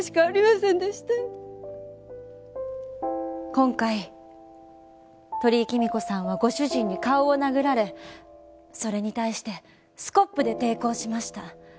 今回鳥居貴美子さんはご主人に顔を殴られそれに対してスコップで抵抗しました。